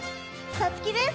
さつきです！